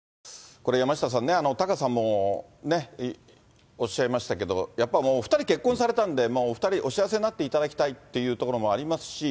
これ、山下さんね、タカさんも、おっしゃいましたけど、やっぱもう、お２人結婚されたんで、お２人お幸せになっていただきたいっていうところもありますし。